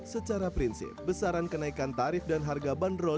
secara prinsip besaran kenaikan tarif dan harga bandrol